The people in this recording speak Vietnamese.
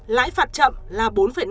lãi phạt chậm là bốn năm